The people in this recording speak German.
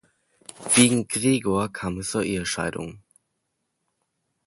Wegen Gregor kam es zur Ehescheidung.